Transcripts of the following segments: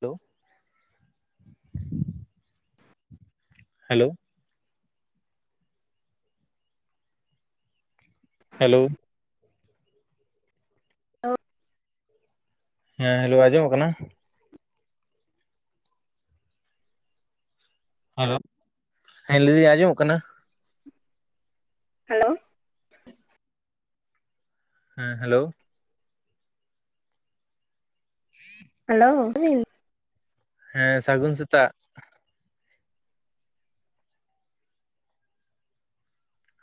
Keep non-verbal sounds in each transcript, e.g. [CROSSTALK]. Hello hello hello [UNINTELLIGIBLE] ᱦᱮᱸ hello ᱟᱸᱡᱚᱢᱚᱜ ᱠᱟᱱᱟ? ᱦᱮᱞᱳ ᱦᱮᱸ ᱞᱟᱹᱭ ᱟᱸᱡᱚᱢᱚᱜ ᱠᱟᱱᱟ [INAUDIBLE] ᱦᱮᱞᱳ ᱦᱮᱸ ᱦᱮᱞᱳ ᱦᱮᱞᱳ [UNINTELLIGIBLE] ᱦᱮᱸ ᱥᱟᱹᱜᱩᱱ ᱥᱮᱛᱟᱜ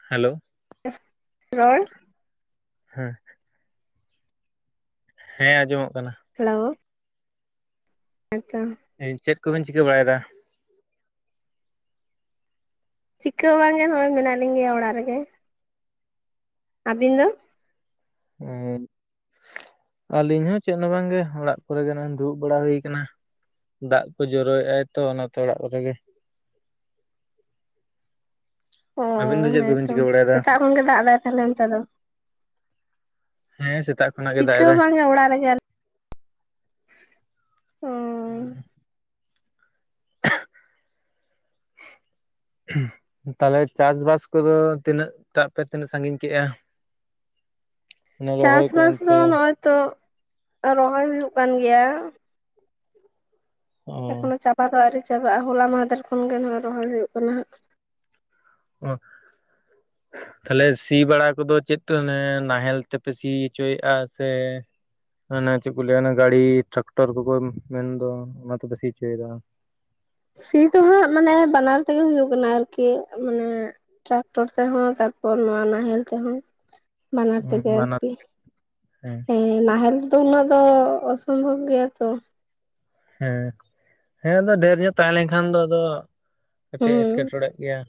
ᱦᱮᱞᱳ ᱨᱚᱲ ᱦᱮᱸ᱾ ᱦᱮ, ᱟᱸᱡᱚᱢᱚᱜ ᱠᱟᱱᱟ᱾ ᱦᱮᱞᱳᱣ᱾ ᱦᱮᱸ ᱛᱚ᱾ ᱦᱮᱭ ᱪᱮᱫ ᱠᱚᱵᱤᱱ ᱪᱤᱠᱟᱹ ᱵᱟᱲᱟᱭ ᱫᱟ? ᱪᱤᱠᱟᱹ ᱵᱟᱝ ᱜᱮ ᱱᱚᱜᱼᱚᱭ ᱢᱮᱱᱟᱜ ᱞᱤᱧᱟ ᱚᱲᱟᱜ ᱨᱮᱜᱮ᱾ ᱟᱹᱵᱤᱱ ᱫᱚ? ᱚᱸ ᱟᱹᱞᱤᱧ ᱦᱚᱸ ᱪᱮᱜ ᱱᱚ ᱵᱟᱝ ᱜᱮ ᱚᱲᱟᱜ ᱠᱚᱨᱮ ᱜᱮ ᱱᱚᱜᱼᱚᱭ ᱫᱩᱲᱩᱵ ᱵᱟᱲᱟ ᱦᱩᱭ ᱠᱟᱱᱟ᱾ ᱫᱟᱜ ᱠᱚ ᱡᱚᱨᱚᱭᱮᱜᱼᱟᱭ ᱛᱚ ᱚᱱᱟᱛᱮ ᱚᱲᱟᱜ ᱠᱚᱨᱮ ᱜᱮ᱾ ᱚᱻ ᱟᱹᱵᱤᱱ ᱫᱚ ᱪᱮᱫ ᱦᱮᱸ ᱠᱚᱵᱤᱱ ᱛᱚ ᱪᱤᱠᱟᱹ ᱵᱟᱲᱟᱭᱮᱫᱟ ᱥᱮᱛᱟᱜ ᱠᱷᱚᱱ ᱜᱮ ᱫᱟᱜ ᱫᱟᱭ ᱛᱟᱦᱚᱞᱮ ᱚᱱᱛᱮ ᱫᱚ? ᱦᱮᱸ ᱥᱮᱛᱟᱜ ᱠᱷᱚᱱᱟᱜ ᱜᱮ ᱫᱟᱜ ᱪᱤᱠᱟᱹ ᱦᱚ ᱮᱫᱟᱭ ᱵᱟᱝ ᱜᱮ ᱚᱲᱟᱜ ᱨᱮ ᱜᱮ ᱚ ᱦᱮᱸ ᱛᱟᱞᱚᱞᱮ ᱪᱟᱥ ᱵᱟᱥ ᱠᱚᱫᱚ ᱛᱤᱱᱟᱹᱜ ᱴᱟᱜ ᱯᱮ ᱛᱤᱱᱟᱹᱜ ᱥᱟᱺᱜᱤᱧ ᱠᱮᱜ-ᱟ ᱪᱟᱥ ᱠᱚ ᱵᱟᱥ ᱫᱚ ᱮᱱᱛᱮ ᱱᱚᱜ-ᱚᱭ ᱛᱚ ᱨᱚᱦᱚᱭ ᱦᱩᱭᱩᱜ ᱠᱟᱱ ᱜᱮᱭᱟ ᱚ ᱮᱠᱷᱚᱱᱳ ᱪᱟᱵᱟ ᱫᱚ ᱟᱹᱣᱨᱤ ᱪᱟᱵᱟᱜ-ᱟ ᱦᱚᱞᱟ ᱢᱟᱫᱷᱮᱨ ᱠᱷᱚᱱ ᱜᱮ ᱨᱚᱦᱚᱭ ᱦᱩᱭᱩᱜ ᱠᱟᱱᱟ ᱦᱟᱜ ᱚ ᱛᱟᱦᱚᱞᱮ ᱥᱤ ᱵᱟᱲᱟ ᱠᱚᱫᱚ ᱪᱮᱫ ᱚᱱᱮ ᱱᱟᱦᱮᱞ ᱛᱮᱯᱮ ᱥᱤ ᱦᱚᱪᱚᱭᱮᱜ-ᱟ ᱥᱮ ᱢᱟᱱᱮ ᱪᱮᱫ ᱠᱚ ᱞᱟᱹᱭᱟ ᱚᱱᱟ ᱜᱟᱹᱲᱤ ᱴᱟᱠᱴᱚᱨ ᱠᱚᱠᱚ ᱢᱮᱱ ᱫᱚ ᱚᱱᱟ ᱛᱮᱯᱮ ᱥᱤ ᱪᱚᱭ ᱫᱟ ᱥᱤ ᱫᱚ ᱦᱟᱸᱜ ᱢᱟᱱᱮ ᱵᱟᱱᱟᱨ ᱛᱮᱜᱮ ᱦᱩᱭᱩᱜ ᱠᱟᱱᱟ ᱟᱨᱠᱤ ᱢᱟᱱᱮ ᱴᱨᱟᱠᱴᱚᱨ ᱛᱮᱦᱚᱸ ᱛᱟᱨᱯᱚᱨ ᱱᱚᱣᱟ ᱱᱟᱦᱮᱞ ᱛᱮᱦᱚᱸ ᱵᱟᱱᱟᱨ ᱛᱮᱜᱮ ᱵᱟᱱᱟᱨ ᱟᱨᱠᱤ ᱦᱮᱸ ᱱᱟᱦᱮᱞ ᱛᱚ ᱩᱱᱟᱹᱜ ᱫᱚ ᱚᱥᱚᱢᱵᱷᱚᱵᱽ ᱜᱮᱭᱟ ᱛᱚ ᱦᱮᱸ ᱦᱮᱸ ᱟᱫᱚ ᱰᱷᱮᱨ ᱧᱚᱜ ᱛᱟᱦᱮᱸ ᱞᱮᱱ ᱠᱷᱟᱱ ᱫᱚ ᱟᱫᱚ ᱠᱟᱹᱴᱤᱡ ᱦᱩᱸ ᱮᱴᱠᱮ ᱴᱚᱲᱮᱜ ᱜᱮᱭᱟ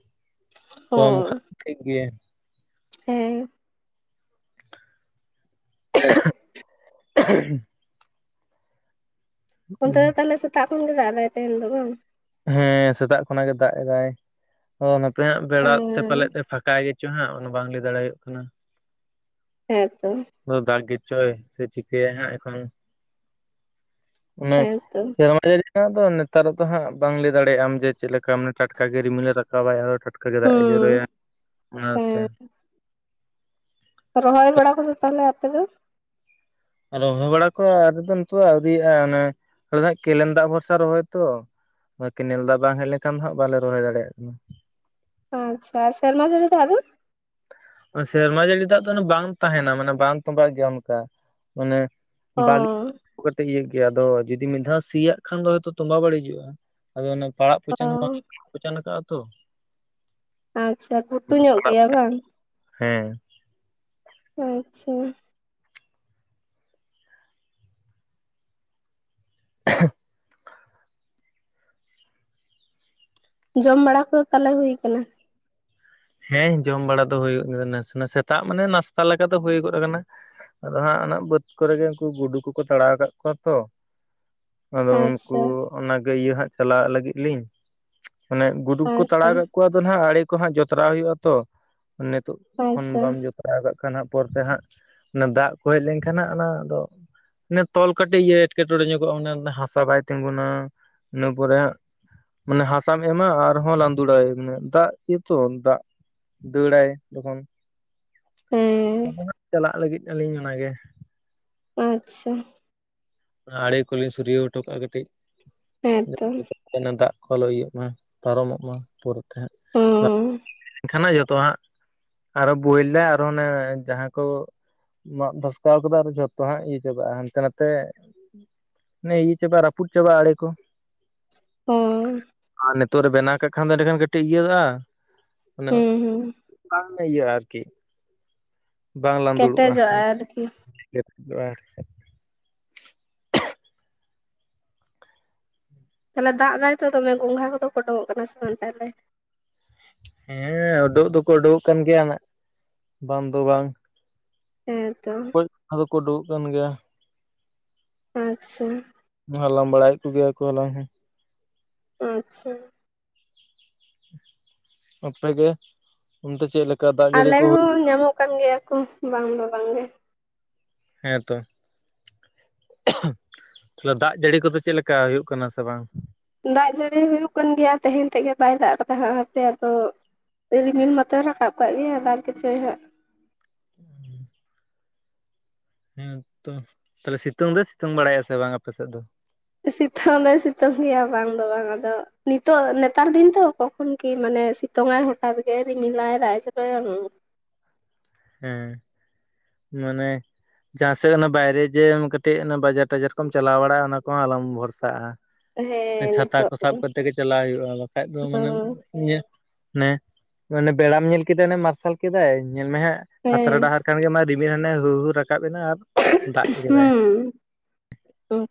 ᱠᱚᱢ ᱦᱳᱭ ᱠᱷᱟᱱ ᱴᱷᱤᱠ ᱜᱮᱭᱟ ᱦᱮᱸ [INAUDIBLE] ᱚᱱᱛᱮ ᱫᱚ ᱛᱟᱦᱚᱞᱮ ᱥᱮᱛᱟᱜ ᱠᱷᱚᱱ ᱜᱮ ᱫᱟᱜ ᱫᱟᱭ ᱛᱮᱦᱮᱱ ᱫᱚ ᱵᱟᱝ ᱦᱮᱸ ᱥᱮᱛᱟᱜ ᱠᱷᱚᱱᱟᱜ ᱜᱮ ᱫᱟᱜ ᱫᱟᱭ ᱟᱯᱮ ᱦᱟᱜ ᱵᱮᱲᱟ ᱛᱮ ᱦᱮᱸ ᱯᱟᱞᱮᱫ ᱛᱮ ᱯᱷᱟᱸᱠᱟᱭ ᱜᱮᱪᱚ ᱦᱟᱜ ᱚᱱᱟ ᱵᱟᱝ ᱞᱟᱹᱭ ᱫᱟᱲᱮᱭᱟᱜ ᱠᱟᱱᱟ ᱦᱮᱸ ᱛᱚ ᱫᱟᱜ ᱜᱮᱪᱚᱭ ᱥᱮ ᱪᱤᱠᱟᱹᱭᱟᱭ ᱦᱟᱜ ᱮᱠᱷᱚᱱ ᱚᱱᱮ ᱦᱮᱸᱛᱚ ᱥᱮᱨᱢᱟ ᱡᱟᱹᱲᱤ ᱨᱮᱱᱟᱜ ᱫᱚ ᱱᱮᱛᱟᱨ ᱫᱚ ᱦᱟᱜ ᱵᱟᱝ ᱞᱟᱹᱭ ᱫᱟᱲᱮᱜ ᱟᱢ ᱡᱮ ᱪᱮᱫ ᱞᱮᱠᱟ ᱢᱟᱱ ᱴᱟᱴᱠᱟ ᱜᱮ ᱨᱤᱢᱤᱞ ᱮ ᱨᱟᱠᱟᱵ ᱟᱭ ᱟᱫᱚ ᱴᱟᱴᱠᱟ ᱜᱮ ᱫᱟᱜ ᱮ ᱦᱩᱸ ᱡᱚᱨᱚᱭᱟ ᱚᱱᱟᱛᱮ ᱦᱮᱸ ᱨᱚᱦᱚᱭ ᱵᱟᱲᱟ ᱠᱚᱫᱚ ᱛᱟᱦᱚᱞᱮ ᱟᱯᱮ ᱫᱚ ᱨᱚᱦᱚᱭ ᱵᱟᱲᱟ ᱠᱚ [INAUDIBLE] ᱱᱚᱛᱮ ᱫᱚ ᱟᱹᱣᱨᱤᱭᱟᱜ-ᱟ ᱚᱱᱮ ᱟᱞᱮ ᱫᱚ ᱦᱟᱸᱜ ᱠᱮᱱᱮᱞ ᱫᱟᱜ ᱵᱷᱚᱨᱥᱟ ᱨᱚᱦᱚᱭ ᱛᱚ ᱠᱮᱱᱮᱞ ᱫᱟᱜ ᱵᱟᱝ ᱦᱮᱡ ᱞᱮᱱᱠᱷᱟᱱ ᱫᱚ ᱦᱟᱜ ᱵᱟᱞᱮ ᱨᱚᱦᱚᱭ ᱫᱟᱲᱮᱭᱟᱜ ᱠᱟᱱᱟ ᱟᱪᱪᱷᱟ ᱟᱨ ᱥᱮᱨᱢᱟ ᱡᱟᱹᱲᱤ ᱫᱟᱜ ᱫᱚ ᱥᱮᱨᱢᱟ ᱡᱟᱹᱲᱤ ᱫᱟᱜ ᱫᱚ ᱵᱟᱝ ᱛᱟᱦᱮᱱᱟ ᱢᱟᱱᱮ ᱵᱟᱝ ᱛᱚᱵᱟᱜ ᱜᱮᱭᱟ ᱚᱱᱠᱟ ᱢᱟᱱᱮ ᱚ ᱵᱟᱞᱤ ᱠᱟᱛᱤᱡ ᱤᱭᱟᱹ ᱜᱮᱭᱟ ᱟᱫᱚ ᱡᱩᱫᱤ ᱢᱤᱫ ᱫᱷᱟᱣ ᱥᱤᱭᱟᱜ ᱠᱷᱟᱱ ᱫᱚ ᱦᱚᱭᱛᱚ ᱛᱚᱵᱟ ᱵᱟᱹᱲᱤᱡᱩᱜ-ᱟ ᱟᱫᱚ ᱚᱱᱟ ᱯᱟᱲᱟᱜ ᱚ ᱯᱚᱪᱷᱟᱱ ᱦᱚᱸ ᱵᱟᱝ ᱤᱧ ᱯᱚᱪᱟᱱ ᱠᱟᱜ-ᱟ ᱛᱚ [INAUDIBLE] ᱟᱪᱪᱷᱟ ᱜᱷᱩᱴᱩ ᱧᱚᱜ ᱜᱮᱭᱟ ᱵᱟᱝ ᱦᱮᱸ ᱟᱪᱪᱷᱟ [INAUDIBLE] ᱡᱚᱢ ᱵᱟᱲᱟ ᱠᱚ ᱛᱟᱦᱚᱞᱮ ᱦᱩᱭ ᱠᱟᱱᱟ ᱦᱮᱸ ᱡᱚᱢ ᱵᱟᱲᱟ ᱫᱚ ᱦᱩᱭᱩᱜᱮ ᱱᱟᱥᱮᱱᱟ ᱥᱮᱛᱟᱜ ᱢᱟᱱᱮ ᱱᱟᱥᱛᱟ ᱞᱮᱠᱟ ᱫᱚ ᱦᱩᱭᱜᱚᱫ ᱟᱠᱟᱱᱟ ᱟᱫᱚ ᱦᱟᱸᱜ ᱚᱱᱟ ᱵᱟᱹᱫᱽ ᱠᱚᱨᱮ ᱜᱮ ᱩᱱᱠᱩ ᱜᱩᱰᱩ ᱠᱩᱠᱚ ᱛᱟᱲᱟᱣ ᱟᱠᱟᱫ ᱠᱚᱣᱟ ᱛᱚ ᱟᱫᱚ ᱩᱱᱠᱩ ᱟᱪᱪᱷᱟ ᱚᱱᱟᱜᱮ ᱤᱭᱟᱹ ᱦᱟᱸᱜ ᱪᱟᱞᱟᱜ ᱞᱟᱹᱜᱤᱫ ᱞᱤᱧ ᱚᱱᱮ ᱜᱩᱰᱩ ᱠᱚ ᱟᱪᱪᱷᱟ ᱛᱟᱲᱟᱣ ᱠᱮᱜ ᱠᱚᱣᱟ ᱟᱫᱚ ᱦᱟᱜ ᱟᱲᱤ ᱠᱚ ᱦᱟᱜ ᱡᱚᱛᱨᱟᱣ ᱦᱩᱭᱩᱜ-ᱟ ᱛᱚ ᱱᱤᱛᱚᱜ ᱠᱷᱚᱱ ᱟᱪᱪᱷᱟ ᱵᱟᱢ ᱡᱩᱛ ᱡᱚᱛᱨᱟ ᱟᱨᱵᱟ ᱠᱷᱟᱱ ᱦᱟᱸᱜ ᱯᱚᱨᱛᱮ ᱦᱟᱸᱜ ᱚᱱᱟ ᱫᱟᱜ ᱠᱚ ᱦᱮᱡ ᱞᱮᱱᱠᱷᱟᱱ ᱦᱟᱸᱜ ᱚᱱᱟ ᱫᱚ ᱤᱱᱟᱹ ᱛᱚᱞ ᱠᱟᱹᱴᱤᱡ ᱤᱭᱟᱹ ᱮᱸᱴᱠᱮᱴᱚᱲᱮ ᱧᱚᱜᱚᱜ-ᱟ ᱚᱱᱮ ᱦᱟᱥᱟ ᱵᱟᱭ ᱛᱤᱸᱜᱩᱱᱟ ᱤᱱᱟᱹ ᱯᱚᱨᱮ ᱢᱟᱱᱮ ᱦᱟᱥᱟᱢ ᱮᱢᱟ ᱟᱨᱦᱚᱸ ᱞᱟᱸᱫᱩᱲᱟᱭ ᱢᱟᱱᱮ ᱫᱟᱜ ᱪᱤᱛ ᱛᱚ ᱫᱟᱜ ᱫᱟᱹᱲᱟᱭ ᱡᱚᱠᱷᱚᱱ ᱦᱮᱸ ᱪᱟᱞᱟᱜ ᱞᱟᱹᱜᱤᱫ ᱟᱹᱞᱤᱧ ᱚᱱᱟᱜᱮ ᱟᱪᱪᱷᱟ ᱚᱱᱟ ᱟᱲᱮ ᱠᱩᱞᱤᱧ ᱥᱩᱨᱭᱟᱹᱣ ᱚᱴᱚᱜ ᱠᱟᱜ-ᱟ ᱠᱟᱹᱴᱤᱡ ᱦᱮᱸᱛᱚ ᱡᱮᱱᱚ ᱫᱟᱜ ᱠᱚ ᱟᱞᱩ ᱤᱭᱟᱹᱜ ᱢᱟ ᱯᱟᱨᱚᱢᱚᱜ ᱢᱟ ᱯᱩᱨᱟᱹ ᱦᱚᱸ [UNINTELLIGIBLE] ᱠᱷᱟᱱᱟᱜ ᱡᱚᱛᱚᱣᱟᱠ ᱟᱨᱚ ᱵᱚᱭ ᱞᱮ ᱟᱨᱚ ᱚᱱᱮ ᱡᱟᱦᱟᱸ ᱠᱩ ᱢᱟᱜ ᱵᱷᱟᱥᱠᱟᱣ ᱠᱟᱫᱟ ᱟᱫᱚ ᱡᱚᱛᱚ ᱦᱟᱸᱜ ᱤᱭᱟᱹ ᱪᱟᱵᱟᱜ-ᱟ ᱦᱟᱱᱛᱮ ᱱᱟᱛᱮ ᱚᱱᱮ ᱤᱭᱟᱹ ᱪᱟᱵᱟᱜ-ᱟ ᱨᱟᱯᱩᱫ ᱪᱟᱵᱟᱜ-ᱟ ᱟᱲᱮ ᱠᱩ ᱦᱚᱸ ᱟᱨ ᱱᱮᱛ ᱛᱳ ᱨᱮ ᱵᱮᱱᱟᱣ ᱠᱟᱜ ᱠᱷᱟᱱ ᱫᱚ ᱮᱸᱰᱮᱠᱷᱟᱱ ᱠᱟᱹᱴᱤᱡ ᱤᱭᱟᱹᱜ-ᱟ ᱚᱱᱮ ᱦᱩᱸ ᱦᱩᱸ ᱠᱟᱝᱜᱤ ᱤᱭᱟᱹᱜ-ᱟ ᱟᱨᱠᱤ ᱵᱟᱝ ᱞᱟᱸ ᱫᱩᱲᱩᱜ-ᱟ ᱠᱮᱴᱮᱡᱚᱜᱼᱟ ᱟᱨᱠᱤ ᱟᱨ ᱛᱟᱦᱚᱞᱮ ᱫᱟᱜ ᱫᱟᱭ ᱛᱚ ᱫᱚᱢᱮ ᱜᱚᱝᱜᱷᱟ ᱠᱚᱫᱚ ᱠᱚ ᱚᱸᱰᱚᱠᱚᱜ ᱠᱟᱱᱟ ᱥᱮ ᱢᱮᱱᱛᱮ ᱟᱞᱮ ᱦᱮᱸ ᱩᱰᱩᱜ ᱫᱚᱠᱚ ᱩᱰᱩᱠᱚᱜ ᱠᱟᱱ ᱜᱮᱭᱟ ᱱᱟᱜ ᱵᱟᱝ ᱫᱚ ᱵᱟᱝ ᱦᱮᱸᱛᱚ ᱳᱭ ᱫᱚ ᱠᱚ ᱩᱵᱩ ᱠᱚᱜ ᱠᱟᱱ ᱜᱮᱭᱟ ᱟᱪ ᱪᱷᱟ ᱦᱚᱞᱟᱢ ᱵᱟᱲᱟᱭᱮᱫ ᱠᱚ ᱜᱮᱭᱟ ᱠᱚ ᱞᱟᱭ ᱦᱮᱸ ᱟᱪᱪᱷᱟ ᱟᱯᱮ ᱜᱮ ᱚᱱᱛᱮ ᱪᱮᱫ ᱞᱮᱠᱟ ᱫᱟᱜ ᱡᱟᱹᱲᱤ ᱟᱞᱮ ᱠᱚ ᱦᱩᱭ? ᱦᱚᱸ ᱧᱟᱢᱚᱜ ᱠᱟᱱ ᱜᱮᱭᱟ ᱠᱩ ᱵᱟᱝ ᱫᱚ ᱵᱟᱝ ᱜᱮ ᱦᱮᱸ ᱛᱚ ᱛᱟᱦᱚᱞᱮ ᱫᱟᱜ ᱡᱟᱹᱲᱤ ᱠᱚᱫᱚ ᱪᱮᱫ ᱞᱮᱠᱟ ᱦᱩᱭᱩᱜ ᱠᱟᱱᱟ ᱥᱮ ᱵᱟᱝ? ᱫᱟᱜ ᱡᱟᱹᱲᱤ ᱦᱩᱭᱩᱜ ᱠᱟᱱ ᱜᱮᱭᱟ ᱛᱮᱦᱮᱧ ᱛᱮᱫ ᱜᱮ ᱵᱟᱭ ᱫᱟᱜ ᱠᱟᱫᱟ ᱦᱟᱸᱜ ᱦᱟᱯᱮ ᱟᱫᱚ ᱨᱤᱢᱤᱞ ᱢᱟᱛᱚᱭ ᱨᱟᱠᱟᱵ ᱠᱟᱵ ᱜᱤᱭᱟ ᱫᱟᱜ ᱜᱤᱪᱚᱭ ᱦᱟᱸᱜ [INAUDIBLE] ᱦᱮᱸ ᱛᱚ ᱛᱟᱦᱚᱞᱮ ᱥᱤᱛᱩᱝ ᱫᱚ ᱥᱤᱛᱩᱝ ᱵᱟᱲᱟᱭᱮᱜ-ᱟ ᱥᱮ ᱵᱟᱝ ᱟᱯᱮ ᱥᱮᱫ ᱫᱚ? ᱥᱤᱛᱷᱚᱞ ᱫᱚᱭ ᱥᱤᱛᱩᱝ ᱜᱮᱭᱟ ᱵᱟᱝ ᱫᱚ ᱵᱟᱝ ᱟᱫᱚ ᱱᱤᱛᱚᱜ ᱱᱮᱛᱟᱨ ᱫᱤᱱ ᱫᱚ ᱠᱚᱠᱷᱚᱱ ᱠᱤ ᱢᱟᱱᱮ ᱥᱤᱛ ᱫᱚᱝᱟᱭ ᱦᱚᱴᱟᱛ ᱜᱮ ᱨᱤᱢᱤᱞᱟᱭ ᱫᱟᱜ ᱮ ᱡᱚᱨᱚᱭᱟ ᱦᱩ ᱦᱮᱸ ᱢᱟᱱᱮ ᱡᱟᱦᱟᱸ ᱥᱮᱫ ᱚᱱᱟ ᱵᱟᱭᱨᱮ ᱡᱮ ᱠᱟᱹᱴᱤᱡ ᱵᱟᱡᱟᱨ ᱴᱟᱡᱟᱨ ᱠᱚᱢ ᱪᱟᱞᱟᱣ ᱵᱟᱲᱟᱜ-ᱟ ᱚᱱᱟ ᱠᱚᱦᱚᱸ ᱟᱞᱚᱢ ᱵᱷᱚᱨᱥᱟᱜ-ᱟ ᱦᱮᱸ ᱪᱷᱟᱛᱟ ᱱᱤᱛᱚᱜ ᱠᱚ ᱥᱟᱵ ᱦᱮᱸ ᱠᱟᱛᱮ ᱜᱮ ᱪᱟᱞᱟᱣ ᱦᱩᱭᱩᱜ-ᱟ ᱵᱟᱠᱷᱟᱡ ᱫᱚ ᱢᱟᱱᱮ ᱤᱧᱟᱹᱜ ᱱᱮ ᱢᱚᱱᱮ ᱵᱮᱲᱟᱢ ᱧᱮᱞ ᱠᱮᱫᱮᱭᱟ ᱚᱱᱟ ᱢᱟᱨᱥᱟᱞ ᱠᱮᱫᱟᱭ ᱧᱮᱞ ᱢᱮ ᱦᱟᱜ ᱦᱟᱛᱨᱟ ᱦᱮᱸ ᱰᱟᱦᱟᱨ ᱠᱷᱟᱱᱜᱮ ᱢᱟ ᱨᱤᱢᱤᱞ ᱦᱟᱱᱮ ᱨᱩᱨ ᱦᱩᱨ ᱨᱟᱠᱟᱵ ᱮᱱᱟ ᱟᱨ ᱫᱟᱜ ᱦᱩᱸ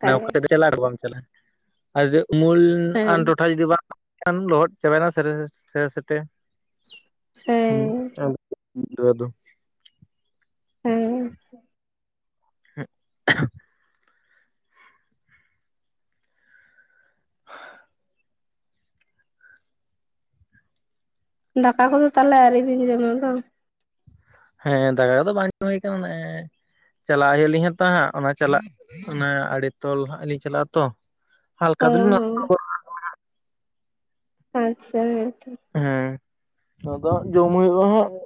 ᱢᱟᱱᱮ ᱚᱠᱟ ᱥᱮᱫ ᱪᱟᱞᱟᱜᱼᱟ ᱟᱨ ᱵᱟᱢ ᱪᱟᱞᱟᱜᱼᱟ ᱟᱨ ᱩᱢᱩᱞ ᱟᱱ ᱦᱮᱸ ᱴᱚᱴᱷᱟ ᱡᱩᱫᱤ ᱵᱟᱝ ᱠᱷᱟᱱ ᱞᱚᱦᱚᱫ ᱪᱟᱵᱟᱭᱮᱱᱟᱛᱮ ᱦ ᱦᱮᱸ [UNINTELLIGIBLE] ᱩᱱ ᱨᱮ ᱟᱫᱚ ᱦᱮᱸ [INAUDIBLE] ᱦᱮᱸ [INAUDIBLE] ᱫᱟᱠᱟ ᱠᱚᱫᱚ ᱛᱟᱦᱚᱞᱮ ᱟᱹᱣᱨᱤᱵᱤᱱ ᱡᱚᱢᱟ ᱵᱟᱝ ᱦᱮᱸ ᱫᱟᱠᱟ ᱠᱩᱫᱚ ᱵᱟᱝ ᱡᱚᱢ ᱦᱩᱭ ᱠᱟᱱᱟ ᱱᱮᱜ-ᱮ ᱪᱟᱞᱟᱜ ᱦᱩᱭᱩᱜ ᱞᱤᱧ ᱦᱟᱜ ᱛᱟᱦᱟᱸᱜ ᱚᱱᱟ ᱪᱟᱞᱟᱜ ᱚᱱᱟ ᱟᱲᱤ ᱛᱚᱞ ᱦᱟᱸᱜ ᱞᱤᱧ ᱪᱟᱞᱟᱜ-ᱟ ᱛᱚ, ᱦᱟᱞᱠᱟ ᱚ ᱫᱩᱞᱱᱚᱜ ᱦᱚᱸ ᱟᱪ ᱪᱷᱟ ᱦᱚᱭᱛᱚ ᱦᱮᱸ ᱟᱫᱚ ᱡᱚᱢ ᱦᱩᱭᱩᱜ-ᱟ ᱦᱟᱜ [INAUDIBLE]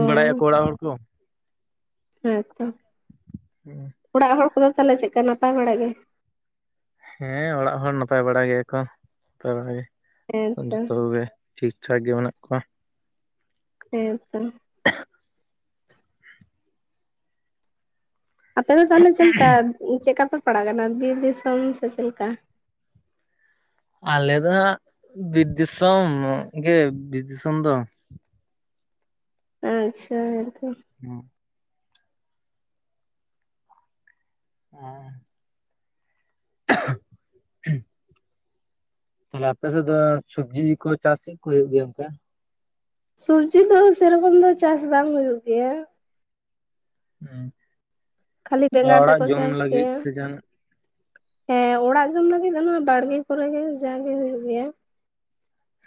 ᱚ ᱵᱟᱲᱟᱭᱟ ᱠᱚ ᱚᱲᱟᱜ ᱦᱚᱲ ᱠᱩ ᱦᱮᱸᱛᱚ ᱚᱲᱟᱜ ᱦᱚᱲ ᱠᱚᱫᱚ ᱛᱟᱦᱞᱮ ᱪᱮᱫ ᱞᱮᱠᱟ ᱱᱟᱯᱟᱭ ᱵᱟᱲᱟ ᱜᱮ ᱦᱮᱸ ᱚᱲᱟᱜ ᱦᱚᱲ ᱱᱟᱯᱟᱭ ᱵᱟᱲᱟ ᱜᱮ ᱮᱠᱷᱚᱱ ᱱᱟᱯᱟᱭ ᱵᱟᱲᱟ ᱜᱮ ᱦᱮᱸᱛᱚ ᱡᱚᱛᱚ ᱠᱚᱜᱮ ᱾ ᱴᱷᱤᱠ ᱴᱷᱟᱠ ᱜᱮ ᱢᱮᱱᱟᱜ ᱠᱚᱣᱟ ᱾ ᱦᱮᱸ ᱛᱚ ᱟᱯᱮᱫ ᱫᱚ ᱛᱟᱦᱚᱞᱮ ᱪᱮᱫ ᱞᱮᱠᱟ, ᱪᱮᱫ ᱞᱮᱠᱟ ᱯᱮ ᱯᱟᱲᱟᱜ ᱠᱟᱱᱟ ᱵᱤᱨ ᱫᱤᱥᱚᱢ ᱥᱮ ᱪᱮᱫ ᱞᱮᱠᱟ? ᱟᱞᱮ ᱫᱚ ᱦᱟᱜ ᱵᱤᱨ ᱫᱤᱥᱚᱢ ᱜᱮ ᱵᱤᱨ ᱫᱤᱥᱚᱢ ᱫᱚ ᱾ ᱟᱪᱪᱷᱟ ᱦᱮᱸ ᱛᱚ ᱦᱮᱸ ᱦᱮᱸ ᱛᱟᱦᱞᱮ ᱟᱯᱮᱥᱮᱫ ᱫᱚ ᱥᱚᱵᱽᱡᱤ ᱠᱚ ᱪᱟᱥ ᱠᱚ ᱦᱚ ᱦᱩᱭᱩᱜ ᱜᱮᱭᱟ ᱥᱮ ᱥᱚᱵᱡᱤ ᱫᱚ ᱥᱮᱨᱚᱠᱚᱢ ᱫᱚ ᱪᱟᱥ ᱵᱟᱝ ᱦᱩᱭᱩᱜ ᱜᱮᱭᱟ? ᱠᱷᱟᱹᱞᱤ ᱦᱮᱸ ᱵᱮᱸᱜᱟᱲ ᱚᱲᱟᱜ ᱛᱮᱠᱚ ᱡᱚᱢ ᱪᱟᱥ ᱞᱟᱹᱜᱤᱫ ᱜᱮᱭᱟ ᱥᱮ ᱡᱟᱸᱦᱟᱱᱟᱜ ᱦᱮᱸ ᱚᱲᱟᱜ ᱡᱚᱢ ᱞᱟᱹᱜᱤᱫ ᱫᱚ ᱱᱚᱣᱟ ᱵᱟᱲᱜᱮ ᱠᱚᱨᱮ ᱜᱮ ᱡᱟᱜᱮ ᱦᱩᱭᱩᱜ ᱜᱮᱭᱟ ᱾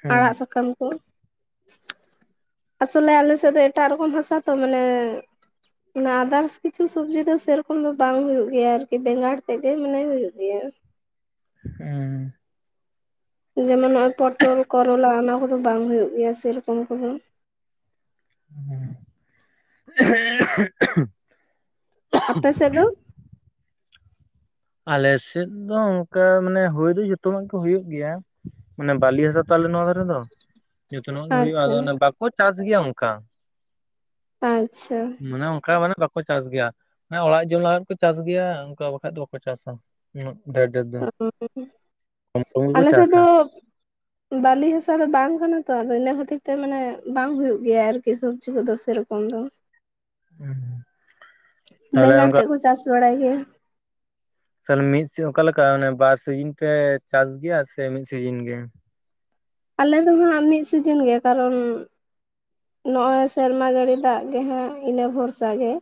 ᱦᱮᱸ ᱟᱲᱟᱜ ᱥᱟᱠᱟᱢ ᱠᱚ ᱟᱥᱚᱞᱮ ᱟᱞᱮ ᱥᱮᱫ ᱫᱚ ᱮᱴᱟᱜ ᱨᱮᱠᱚᱢ ᱦᱟᱥᱟ ᱛᱚ ᱢᱟᱱᱮ ᱚᱱᱟ ᱟᱫᱟᱨᱥ ᱠᱤᱪᱷᱩ ᱥᱚᱵᱡᱤ ᱫᱚ ᱥᱮᱨᱚᱠᱚᱢ ᱫᱚ ᱵᱟᱝ ᱦ ᱦᱩᱭᱩᱜ ᱜᱮᱭᱟ, ᱟᱨᱠᱤ ᱵᱮᱸᱜᱟᱲ ᱛᱮᱫᱜ ᱜᱮ ᱢᱟᱱᱮ ᱦᱩᱭᱩᱜᱭ ᱜᱮᱭᱟ᱾ ᱦᱮᱸ ᱡᱮᱢᱚᱱ ᱱᱚᱜ ᱚᱭ ᱯᱚᱴᱚᱞ ᱠᱚᱨᱚᱞᱟ ᱚᱱᱟ ᱠᱚᱫᱚ ᱵᱟᱝ ᱦᱩᱭᱩᱜ ᱜᱮᱭᱟ ᱥᱮᱨᱚᱠᱚᱢ ᱠᱚᱫᱚ ᱾ ᱟᱯᱮ ᱥᱮᱫ ᱫᱚ [UNINTELLIGIBLE] ᱟᱞᱮᱥᱮᱫ ᱫᱚ ᱚᱱᱠᱟ ᱢᱟᱱᱮ ᱦᱩᱭ ᱫᱚ ᱡᱚᱛᱚ ᱟᱜᱮ ᱦᱩᱭᱩᱜ ᱜᱮᱭᱟ ᱢᱟᱱᱮ ᱵᱟᱹᱞᱤ ᱦᱟᱥᱟ ᱛᱟᱦᱚᱞᱮ ᱱᱚᱣᱟ ᱫᱷᱟᱨᱮ ᱫᱚ ᱡᱷᱚᱛᱚᱱᱟᱜ ᱜᱮ ᱦᱩᱭᱩᱜᱼᱟ ᱟᱪᱪᱷᱟ ᱟᱚᱱ ᱵᱟᱠᱚ ᱪᱟᱥ ᱜᱮᱭᱟ ᱚᱱᱠᱟ ᱟᱪᱪᱷᱟ᱾ ᱢᱟᱱᱮ ᱚᱱᱠᱟ ᱢᱟᱱᱮ ᱵᱟᱠᱚ ᱪᱟᱥ ᱜᱮᱭᱟ, ᱚᱲᱟᱜ ᱡᱚᱢ ᱞᱟᱜᱟᱜ ᱠᱚ ᱪᱟᱥ ᱜᱮᱭᱟ ᱚᱱᱠᱟ ᱵᱟᱠᱷᱟᱡ ᱫᱚ ᱠᱚ ᱪᱟᱥᱟ ᱰᱮᱨ ᱰᱮᱨ ᱫᱚ ᱠᱚ ᱟᱞᱮ ᱥᱮᱫ ᱪᱟᱥᱟ ᱫᱚ [UNINTELLIGIBLE] ᱵᱟᱹᱞᱤ ᱦᱟᱥᱟ ᱫᱚ ᱵᱟᱝ ᱠᱟᱱᱟ ᱛᱚ, ᱟᱫᱚ ᱤᱱᱟᱹ ᱠᱷᱟᱹᱛᱤᱨ ᱛᱮ ᱢᱟᱱᱮ ᱵᱟᱝ ᱦᱩᱭᱩᱜ ᱜᱮᱭᱟ ᱟᱨᱠᱤ ᱥᱚᱵᱡᱤ ᱠᱚᱫᱚ ᱥᱮᱨᱚᱠᱚᱢ? ᱩᱱᱫᱚ ᱛᱟᱦᱚᱞᱮ ᱵᱮᱸᱜᱟᱲ ᱚᱱᱠᱟ ᱛᱮᱫ ᱠᱚ ᱪᱟᱥ ᱵᱟᱲᱟᱭ ᱜᱮᱭᱟ ᱾ ᱛᱟᱦᱞᱮ ᱢᱤᱫ ᱚᱠᱟᱞᱮᱠᱟ ᱚᱱᱮ ᱵᱟᱨ ᱥᱤᱡᱤᱱ ᱯᱮ ᱪᱟᱥ ᱜᱮᱭᱟ ᱥᱮ ᱢᱤᱫ ᱥᱤᱡᱤᱱ ᱜᱮ ᱟᱞᱮ ᱫᱚ ᱦᱟᱸᱜ ᱢᱤᱫ ᱥᱤᱡᱤᱱ ᱜᱮ ᱠᱟᱨᱚᱱ ᱱᱚᱜᱼᱚᱭ ᱥᱮᱨᱢᱟ ᱡᱟᱹᱲᱤ ᱫᱟᱜ ᱜᱮᱦᱟᱜ ᱤᱱᱟᱹ ᱵᱷᱚᱨᱥᱟ ᱜᱮ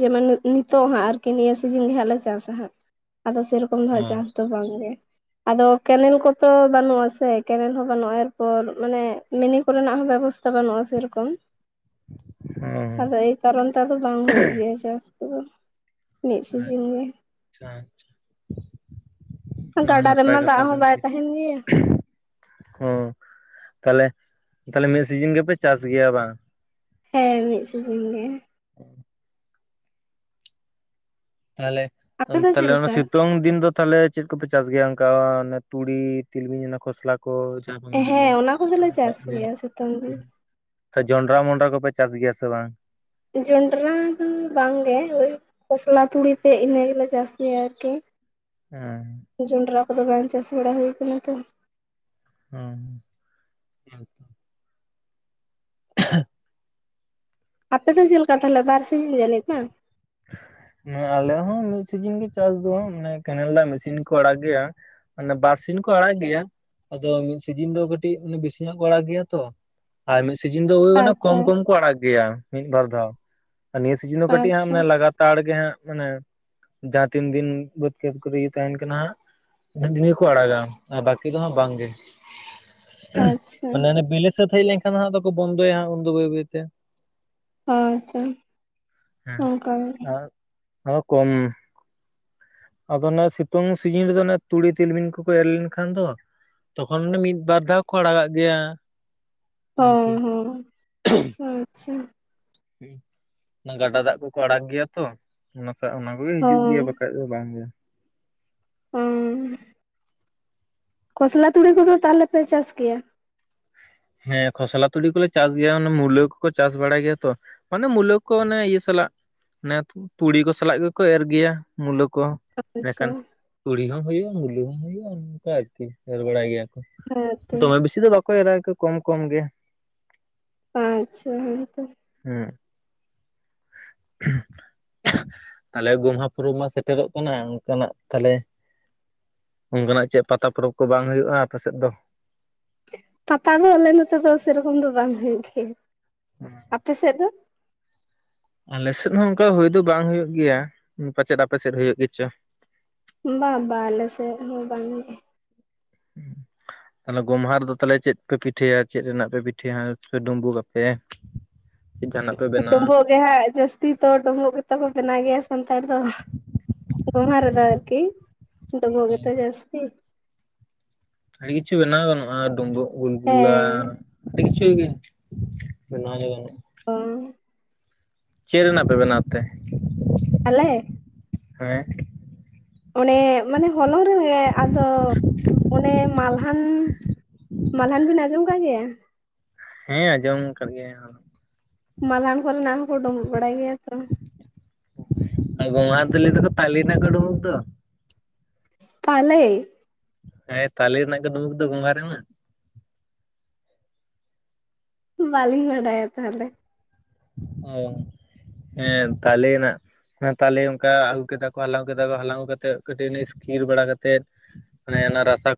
ᱡᱮᱢᱚᱱ ᱱᱤᱛᱚᱜ ᱦᱟᱸᱜ ᱟᱨᱠᱤ ᱱᱤᱭᱟᱹ ᱥᱤᱡᱤᱱ ᱜᱮ ᱦᱟᱸᱜ ᱞᱮ ᱪᱟᱥᱟ ᱦᱟᱸᱜ ᱟᱫᱚ ᱥᱮᱨᱚᱠᱚᱢ ᱫᱚ ᱚᱸ ᱪᱟᱥ ᱛᱚ ᱵᱟᱝᱜᱮ ᱟᱫᱚ ᱠᱮᱱᱮᱞ ᱠᱚ ᱛᱚ ᱵᱟᱹᱱᱩᱜᱼᱟ ᱥᱮ ᱠᱮᱱᱮᱞ ᱦᱚᱸ ᱵᱟᱹᱱᱩᱜᱼᱟ ᱮᱨᱯᱚᱨ ᱢᱟᱱᱮ ᱢᱤᱱᱤ ᱠᱚᱨᱮᱱᱟᱜ ᱦᱚᱸ ᱵᱮᱵᱚᱥᱛᱟ ᱵᱟᱹᱱᱩᱜᱼᱟ ᱥᱮᱨᱚᱠᱚᱢ ᱾ ᱠᱳᱱᱳ, ᱦᱚᱸ ᱟᱫᱚ ᱮᱭ ᱠᱟᱨᱚᱱ ᱛᱮ ᱟᱫᱚ ᱵᱟᱝ ᱦᱩᱭᱩᱜ ᱜᱮᱭᱟ ᱪᱟᱥ ᱠᱚᱫᱚ ᱾ ᱢᱤᱫ ᱥᱤᱡᱤᱱ ᱜᱮ ᱾ ᱟᱪᱪᱷᱟ ᱟᱪᱪᱷᱟ ᱚᱱᱟ ᱦᱚᱸ ᱜᱟᱰᱟ ᱱᱟᱯᱟᱭ ᱨᱮᱢᱟ ᱫᱟᱜ ᱠᱟᱛᱷᱟ ᱦᱚᱸ ᱠᱟᱱ ᱵᱟᱭ ᱜᱮᱭᱟ ᱾ ᱛᱟᱦᱮᱱ ᱦᱚ ᱛᱟᱦᱚᱞᱮ ᱛᱟᱦᱚᱞᱮ ᱢᱤᱫ ᱥᱤᱡᱤᱱ ᱜᱮᱯᱮ ᱪᱟᱥ ᱜᱮᱭᱟ ᱵᱟᱝ? ᱦᱮᱸ ᱢᱤᱫ ᱥᱤᱡᱤᱱ ᱜᱮ ᱾ [INAUDIBLE] ᱛᱟᱦᱚᱞᱮ ᱟᱯᱮ ᱫᱚ ᱪᱮᱫ ᱚᱱᱠᱟᱱ ᱞᱮᱠᱟ ᱥᱤᱛᱩᱝ ᱫᱤᱱ ᱫᱚ? ᱛᱟᱦᱚᱞᱮ ᱪᱮᱫ ᱠᱚᱯᱮ ᱪᱟᱥ ᱜᱮᱭᱟ ᱚᱱᱠᱟ ᱚᱱᱮ ᱛᱩᱲᱤ ᱛᱤᱞᱢᱤᱧ ᱚᱱᱟ ᱠᱷᱚᱥᱞᱟ ᱠᱚ ᱡᱟᱦᱟᱸ ᱠᱚ ᱢᱮᱱᱟᱜ ᱫᱚ ᱦᱮᱸ ᱚᱱᱟ ᱠᱚᱫᱚᱞᱮ ᱪᱟᱥ ᱜᱮᱭᱟ ᱥᱤᱛᱩᱝ ᱫᱤᱱ ᱾ ᱥᱮ ᱡᱚᱱᱰᱨᱟ ᱢᱚᱸᱰᱨᱟ ᱠᱚᱯᱮ ᱪᱟᱥ ᱜᱮᱭᱟ ᱥᱮ ᱵᱟᱝ? ᱡᱚᱸᱱᱰᱨᱟ ᱫᱚ ᱵᱟᱝᱜᱮ ᱦᱳᱭᱳᱜ ᱠᱷᱚᱥᱞᱟ ᱛᱩᱲᱤᱛᱮ ᱤᱱᱟᱹ ᱜᱮᱞᱮ ᱪᱟᱥ ᱜᱮᱭᱟ ᱟᱨᱠᱤ ᱦᱮᱸ ᱡᱚᱸᱰᱨᱟ ᱠᱚᱫᱚ ᱵᱟᱝ ᱪᱟᱥ ᱵᱟᱲᱟ ᱦᱩᱭ ᱠᱟᱱᱟ ᱛᱚ ᱦᱮᱸ ᱦ [UNINTELLIGIBLE] ᱟᱯᱮ ᱫᱚ ᱪᱮᱫ ᱞᱮᱠᱟ ᱛᱟᱞᱦᱮ ᱵᱟᱨ ᱥᱤᱧ ᱤᱭᱟᱹ ᱞᱮᱠᱟ ᱦᱩᱸ ᱟᱞᱮ ᱦᱚᱸ ᱢᱤᱫ ᱥᱤᱡᱤᱱ ᱜᱮ ᱪᱟᱥ ᱫᱚ ᱦᱟᱸᱜ ᱢᱟᱱᱮ ᱠᱮᱱᱮᱞ ᱫᱟᱜ ᱢᱮᱥᱤᱱ ᱠᱚ ᱟᱲᱟᱜᱽ ᱜᱮᱭᱟ ᱢᱟᱱᱮ ᱵᱟᱨᱥᱤᱧ ᱠᱚ ᱟᱲᱟᱜ ᱜᱮᱭᱟ ᱟᱫᱚ ᱢᱤᱫ ᱥᱤᱡᱤᱱ ᱫᱚ ᱠᱟᱹᱴᱤᱡ ᱵᱮᱥᱤ ᱧᱚᱜ ᱠᱚ ᱟᱲᱟᱜᱽ ᱜᱮᱭᱟ ᱛᱚ ᱟᱨ ᱢᱤᱫ ᱥᱤᱡᱤᱱ ᱫᱚ ᱦᱩᱭᱩᱜ ᱠᱟᱱᱟ ᱠᱚᱢ ᱟᱪᱪᱷᱟ ᱠᱚᱢ ᱠᱚ ᱟᱲᱟᱜ ᱜᱮᱭᱟ ᱢᱤᱫ ᱵᱟᱨ ᱫᱷᱟᱣ ᱟᱨ ᱱᱤᱭᱟᱹ ᱥᱤᱡᱤᱱ ᱠᱟᱹᱴᱤ ᱦᱟᱸᱜ ᱟᱪᱪᱷᱟ ᱢᱟᱱᱮ ᱞᱟ ᱯᱟᱛᱟᱲ ᱜᱮ ᱦᱟᱸᱜ ᱢᱟᱱᱮ ᱡᱟᱦᱟᱸ ᱛᱤᱱ ᱫᱤᱱ ᱵᱟᱹᱫᱽ ᱠᱷᱮᱛ ᱠᱚᱨᱮ ᱤᱭᱟᱹ ᱛᱟᱦᱮᱱ ᱠᱟᱱᱟ ᱦᱟᱸᱜ ᱩᱱᱟᱹᱜ ᱫᱤᱱ ᱜᱮ ᱠᱚ ᱟᱲᱟᱜᱟ ᱟᱨ ᱵᱟᱠᱤ ᱫᱚ ᱦᱟᱸᱜ ᱵᱟᱝ ᱜᱮ ᱟᱪᱪᱷᱟ ᱢᱟᱱᱮ ᱵᱤᱞᱮ ᱥᱟᱹᱛ ᱦᱳᱭ ᱞᱮᱱᱠᱷᱟᱱ ᱦᱟᱜ ᱫᱠᱚ ᱵᱚᱱᱫᱚᱭᱟ ᱩᱱᱫᱚ ᱵᱟᱹᱭ ᱵᱟᱹᱭᱛᱮ ᱦᱳᱭ ᱛᱚ ᱦᱮᱸ ᱟᱨ ᱟᱨ ᱠᱚᱢ ᱟᱫᱚ ᱚᱱᱟ ᱥᱤᱛᱩᱝ ᱥᱤᱡᱤᱱ ᱨᱮᱫᱚ ᱚᱱᱮ ᱛᱩᱲᱤ ᱛᱤᱞᱢᱤᱤᱱᱧ ᱠᱚᱠᱚ ᱮᱨ ᱞᱮᱱᱠᱷᱟᱱ ᱫᱚ ᱛᱚᱠᱷᱚᱱ ᱫᱚ ᱢᱤᱫ ᱵᱟᱨ ᱫᱷᱟᱣ ᱠᱚ ᱟᱲᱟᱜᱟᱜ ᱜᱮᱭᱟ ᱦᱩᱸ ᱟᱨᱠᱤ ᱦᱩᱸ ᱟᱪᱪᱷᱟ ᱩᱸ ᱜᱟᱰᱟ ᱫᱟᱜ ᱠᱚᱠᱚ ᱟᱲᱟᱜ ᱜᱮᱭᱟ ᱛᱚ ᱚᱱᱟ ᱥᱟᱶ ᱚᱱᱟ ᱠᱚᱜᱮ ᱦᱤᱡᱩᱜ ᱜᱮᱭᱟ ᱦᱚᱸ ᱵᱟᱠᱷᱟᱡ ᱵᱟᱝ ᱜᱮ ᱩᱸ ᱠᱷᱚᱥᱞᱟ ᱛᱩᱲᱤ ᱠᱚᱫᱚ ᱛᱟᱦᱞᱮ ᱯᱮ ᱪᱟᱥ ᱠᱮᱭᱟ ᱦᱮᱸ ᱠᱷᱚᱥᱞᱟ ᱛᱩᱲᱤ ᱠᱚᱞᱮ ᱪᱟᱥ ᱜᱮᱭᱟᱮ ᱚᱱᱮ ᱢᱩᱞᱟᱹ ᱠᱚᱠᱚ ᱪᱟᱥ ᱵᱟᱲᱟᱭ ᱜᱮᱭᱟ ᱛᱚ ᱢᱟᱱᱮ ᱢᱩᱞᱟᱹ ᱠᱚ ᱚᱱᱮ ᱤᱭᱟᱹ ᱥᱟᱞᱟᱜ ᱚᱱᱮ ᱛᱩᱲᱤ ᱠᱚ ᱥᱟᱞᱟᱜ ᱜᱮᱠᱚ ᱮᱨ ᱜᱮᱭᱟ ᱢᱩᱞᱟᱹ ᱠᱚ ᱟᱪᱪᱷᱟ ᱤᱱᱟᱹᱠᱷᱟᱱ ᱛᱩᱲᱤ ᱦᱚᱸ ᱦᱩᱭᱩᱜᱼᱟ ᱢᱩᱞᱟᱹ ᱦᱚᱸ ᱦᱩᱭᱩᱜᱼᱟ ᱚᱱᱠᱟ ᱟᱨᱠᱤ ᱮᱨ ᱵᱟᱲᱟᱭ ᱜᱮᱭᱟ ᱦᱮᱸᱛᱚ ᱫᱚᱢᱮ ᱵᱮᱥᱤ ᱫᱚ ᱵᱟᱠᱚ ᱮᱨᱟ ᱟᱨᱠᱤ ᱠᱚᱢ ᱠᱚᱢ ᱜᱮ ᱟᱪᱪᱷᱟ ᱦᱳᱭᱛᱚ ᱦᱮᱸ [UNINTELLIGIBLE] ᱛᱟᱞᱦᱮ ᱜᱳᱚᱢᱦᱟ ᱯᱩᱨᱩᱚᱵᱽ ᱢᱟ ᱥᱮᱴᱮᱨᱚᱜ ᱠᱟᱱᱟ ᱚᱱᱠᱟᱱᱟᱜ ᱛᱟᱞᱦᱮ ᱚᱱᱠᱟᱱᱟᱜ ᱪᱮᱫ ᱯᱟᱛᱟ ᱯᱚᱨᱚᱵᱽ ᱠᱚ ᱵᱟᱝ ᱦᱩᱭᱩᱜᱼᱟ ᱟᱯᱮ ᱥᱮᱫ ᱫᱚ ᱯᱟᱛᱟ ᱫᱚ ᱟᱞᱮ ᱱᱚᱛᱮ ᱫᱚ ᱥᱮᱨᱚᱠᱚᱢ ᱫᱚ ᱵᱟᱝ ᱦᱩᱭᱩᱜ ᱜᱮᱭᱟ, ᱟᱯᱮ ᱥᱮᱫ ᱫᱚ ᱟᱞᱮᱥᱮᱫ ᱦᱚᱸ ᱚᱱᱠᱟ ᱦᱩᱭ ᱫᱚ ᱵᱟᱝ ᱦᱳᱭᱳᱜ ᱜᱮᱭᱟ, ᱯᱟᱪᱮᱫ ᱟᱯᱮᱥᱮᱫ ᱦᱩᱭᱩᱜᱭᱳ ᱜᱮᱪᱚ? ᱵᱟ ᱵᱟ ᱟᱞᱮᱥᱮᱫ ᱦᱚᱸ ᱵᱟᱝᱼᱟ ᱜᱮ ᱦᱩᱸ ᱛᱟᱞᱦᱮ ᱜᱚᱢᱦᱟ ᱨᱮᱫᱚ ᱛᱟᱞᱦᱮ ᱪᱮᱫ ᱯᱮ ᱯᱤᱴᱷᱟᱹᱭᱟ ᱪᱮᱫ ᱨᱮᱱᱟᱜ ᱯᱮ ᱯᱤᱴᱷᱟᱹᱭᱟ ᱦᱟᱸᱜ ᱥᱮ‌‌ ᱰᱩᱢᱵᱩᱜᱟᱯᱮ ᱡᱟᱦᱱᱟᱜ ᱯᱮ ᱵᱮᱱᱟᱣᱟ ᱰᱩᱸᱵᱩᱜ ᱜᱮ ᱦᱮᱸ ᱡᱟᱹᱥᱛᱤ ᱛᱚ ᱰᱳᱢᱵᱳᱜ ᱜᱮᱛᱚ ᱠᱚ ᱵᱮᱱᱟᱣ ᱜᱮᱭᱟ ᱥᱟᱱᱛᱟᱲ ᱫᱚ ᱵᱮᱣᱦᱟᱨᱮᱫᱟ ᱟᱨᱠᱤ ᱫᱚ ᱵᱷᱜᱮ ᱛᱚ ᱡᱟᱹᱥᱛᱤ ᱟᱹᱰᱤ ᱠᱤᱪᱷᱩ ᱵᱮᱱᱟᱣ ᱜᱟᱱᱚᱜᱼᱟ ᱰᱩᱢᱵᱩᱜ ᱜᱳᱞᱜᱩᱞᱟ ᱦᱮᱸ ᱟᱹᱰᱤ ᱠᱤᱪᱷᱩ ᱜᱮ ᱵᱮᱱᱟᱣᱟ ᱜᱟᱱᱚᱜᱼᱟ ᱚ ᱪᱮᱫ ᱨᱮᱱᱟᱜ ᱯᱮ ᱵᱮᱱᱟᱣ ᱛᱮ ᱟᱞᱮ ᱦᱮᱸ ᱚᱱᱮ ᱢᱟᱱᱮ ᱦᱚᱞᱚᱝ ᱨᱮ ᱟᱫᱚ ᱚᱱᱮ ᱢᱟᱞᱦᱟᱱ ᱢᱟᱞᱦᱟᱱ ᱵᱤᱱ ᱟᱸᱡᱚᱢ ᱠᱟᱫ ᱜᱮᱭᱟ ᱦᱮᱸ ᱟᱸᱡᱚᱢ ᱟᱠᱟᱫ ᱜᱮᱭᱟ ᱢᱟᱞᱦᱟᱱ ᱠᱚᱨᱮᱱᱟᱜ ᱦᱚᱸᱠᱚ ᱰᱩᱸᱵᱩᱜ ᱵᱟᱲᱟᱭ ᱜᱮᱭᱟ ᱛᱚ ᱜᱚᱡᱦᱟ ᱨᱮᱫᱚ ᱞᱟᱹᱭ ᱫᱚᱠᱚ ᱛᱟᱞᱮ ᱨᱮᱱᱟᱜ ᱠᱚ ᱰᱩᱸᱵᱳᱠᱜᱽ ᱫᱚ ᱛᱟᱞᱮ ᱦᱮᱸ ᱛᱟᱞᱮ ᱨᱮᱱᱟᱜ ᱜᱮ ᱰᱩᱸᱵᱩᱠ ᱫᱚ ᱜᱚᱡᱦᱟ ᱨᱮᱡᱟ ᱵᱟᱞᱤᱧ ᱵᱟᱰᱟᱭᱟ ᱛᱟᱦᱞᱮ ᱚ ᱮᱸᱜ ᱛᱟᱞᱮ ᱨᱮᱱᱟᱜ ᱦᱮᱸ ᱛᱟᱞᱦᱮ ᱚᱱᱠᱟ ᱟᱹᱜᱩ ᱠᱮᱫᱟ ᱠᱚ ᱦᱟᱞᱟᱝ ᱠᱮᱫᱟᱠᱚ ᱦᱟᱞᱟᱝ ᱠᱟᱛᱮᱜ ᱠᱟᱹᱴᱤᱡ ᱤᱥᱠᱤᱨ ᱵᱟᱲᱟ ᱠᱟᱛᱮᱫ [UNINTELLIGIBLE] ᱨᱟᱥ ᱠᱚ